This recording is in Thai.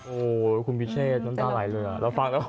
โอ้ยคุณพิเชศน้ำตาลายเลยอ่ะ